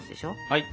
はい！